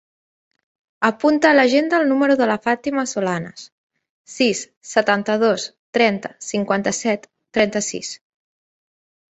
Apunta a l'agenda el número de la Fàtima Solanes: sis, setanta-dos, trenta, cinquanta-set, trenta-sis.